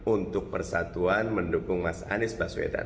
untuk persatuan mendukung mas anies baswedan